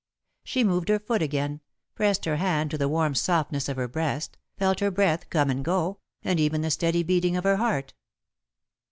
She moved her foot again, pressed her hand to the warm softness of her breast, felt her breath come and go, and even the steady beating of her heart.